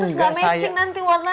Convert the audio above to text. terus nggak matching nanti warnanya